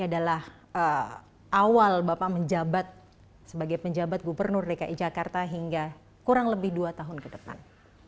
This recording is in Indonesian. adalah awal bapak menjabat sebagai penjabat gubernur dki jakarta hingga kurang lebih dua tahun ke depan